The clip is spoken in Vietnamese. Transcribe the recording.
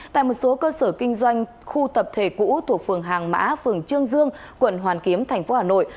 tại một số cơ sở kinh doanh khu tập thể cũ thuộc phường hàng mã phường trương dương quận hoàn kiếm thành phố hà nội